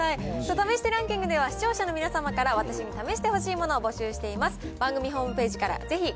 試してランキングでは視聴者の皆さんから、私に試してほしいものを募集しています。